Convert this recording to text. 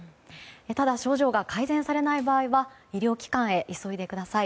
ただ、症状が改善されない場合は医療機関へ急いでください。